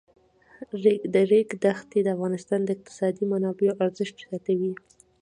د ریګ دښتې د افغانستان د اقتصادي منابعو ارزښت زیاتوي.